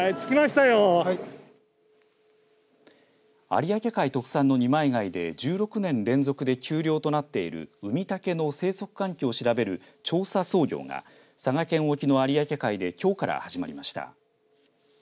有明海特産の二枚貝で１６年連続で休漁となっているウミタケの生息環境を調べる調査操業が佐賀県沖の有明海できょうから始まりました。